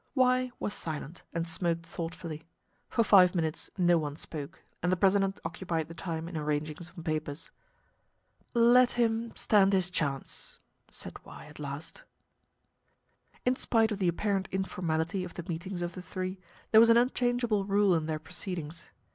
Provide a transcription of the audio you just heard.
Y was silent, and smoked thoughtfully. For five minutes no one spoke, and the president occupied the time in arranging some papers. "Let him stand his chance," said Y, at last. In spite of the apparent informality of the meetings of the three, there was an unchangeable rule in their proceedings.